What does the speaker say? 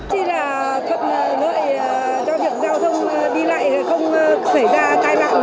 thì là thuận lợi cho việc giao thông đi lại không xảy ra tai nạn